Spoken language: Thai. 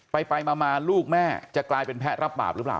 ไปมาลูกแม่จะกลายเป็นแพ้รับบาปหรือเปล่า